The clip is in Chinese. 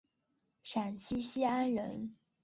陕西西安人。